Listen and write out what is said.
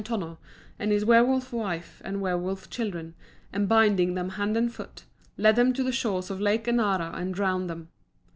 Tonno and his werwolf wife and werwolf children, and binding them hand and foot, led them to the shores of Lake Enara and drowned them.